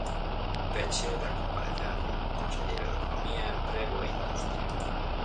Peche da comparecencia, conselleiro de Economía, Emprego e Industria.